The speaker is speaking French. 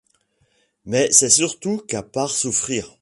Mais c'est surtout qu'à part souffrir.